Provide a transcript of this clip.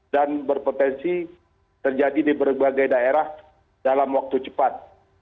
dan berpotensi terjadi di berbagai daerah dalam waktu cepat